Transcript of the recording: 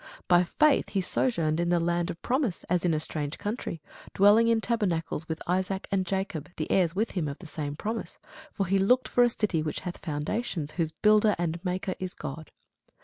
By faith he sojourned in the land of promise, as in a strange country, dwelling in tabernacles with Isaac and Jacob, the heirs with him of the same promise: for he looked for a city which hath foundations, whose builder and maker is God.